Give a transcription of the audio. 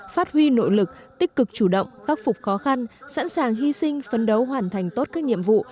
phát huy nội lực tích cực chủ động khắc phục khó khăn sẵn sàng hy sinh phấn đấu hoàn thành tốt các nhiệm vụ